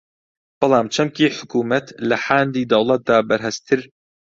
بەڵام چەمکی حکوومەت لە حاندی دەوڵەتدا بەرھەستتر